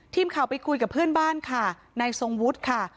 ทีมข่าวไปคุยกับเพื่อนบ้านค่ะนายทรงวุฒิค่ะ